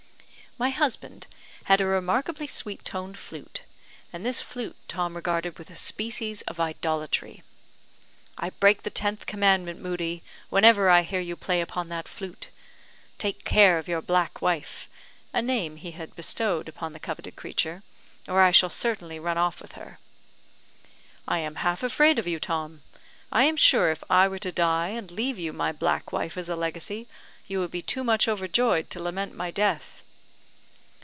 My husband had a remarkably sweet toned flute, and this flute Tom regarded with a species of idolatry. "I break the Tenth Commandment, Moodie, whenever I hear you play upon that flute. Take care of your black wife," (a name he had bestowed upon the coveted treasure), "or I shall certainly run off with her." "I am half afraid of you, Tom. I am sure if I were to die, and leave you my black wife as a legacy, you would be too much overjoyed to lament my death."